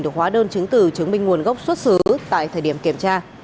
được hóa đơn chứng từ chứng minh nguồn gốc xuất xứ tại thời điểm kiểm tra